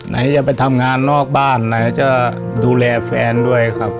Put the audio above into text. ไหนจะไปทำงานนอกบ้านไหนจะดูแลแฟนด้วยครับ